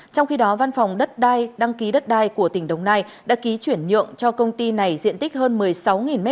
trong khi đó văn phòng đất đai đăng ký đất đai của tỉnh đồng nai đã ký chuyển nhượng cho công ty này diện tích hơn một mươi sáu m hai